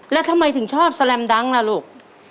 แล้วทำไมถึงชอบแลมดังล่ะลูก